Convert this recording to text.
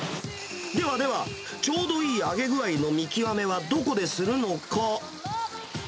ではでは、ちょうどいい揚げ具合の見極めはどこでするのか？